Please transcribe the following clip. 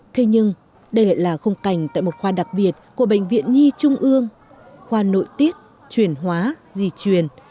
thế nhưng đây lại là khung cảnh tại một khoa đặc biệt của bệnh viện nhi trung ương khoa nội tiết truyền hóa di truyền